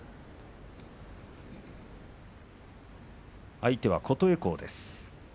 相手は琴恵光です。